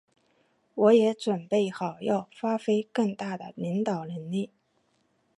我也准备好要发挥更大的领导能力。